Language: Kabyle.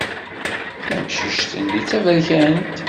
Tamcict-nni d taberkant.